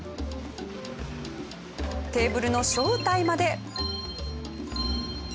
テーブルの正体まで。